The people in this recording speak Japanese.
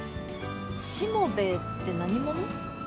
しもべえって何者？